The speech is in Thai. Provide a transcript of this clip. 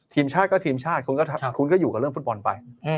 ทีมชาติก็ทีมชาติคุณก็อยู่กับเรื่องฟุตบอลไป